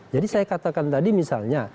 jadi saya katakan tadi misalnya